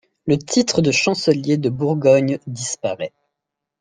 Le titre de chancelier de Bourgogne disparaît.